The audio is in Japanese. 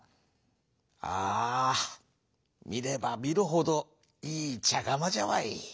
「ああみればみるほどいいちゃがまじゃわい。